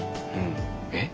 えっ？